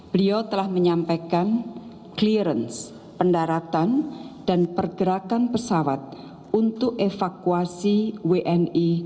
beliau telah menyampaikan clearance pendaratan dan pergerakan pesawat untuk evakuasi wni